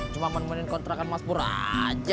cuma menemani kontrakan mas pur aja